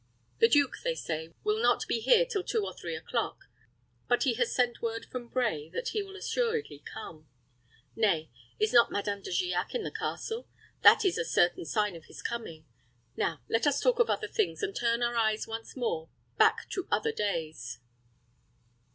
The duke, they say, will not be here till two or three o'clock; but he has sent word from Bray that he will assuredly come. Nay, is not Madame De Giac in the castle? That is a certain sign of his coming. Now let us talk of other things, and turn our eyes once more back to other days.